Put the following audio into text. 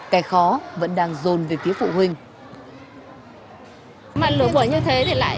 cái khó vẫn đang dồn về phía phụ huynh